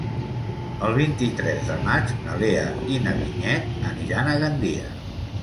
El vint-i-tres de maig na Lea i na Vinyet aniran a Gandia.